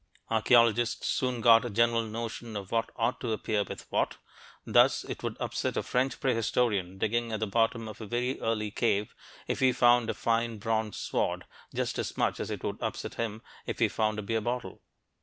Archeologists soon got a general notion of what ought to appear with what. Thus, it would upset a French prehistorian digging at the bottom of a very early cave if he found a fine bronze sword, just as much as it would upset him if he found a beer bottle.